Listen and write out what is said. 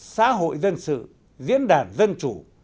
xã hội dân sự diễn đàn dân chủ